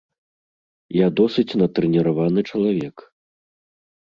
Я досыць натрэніраваны чалавек.